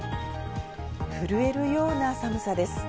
震えるような寒さです。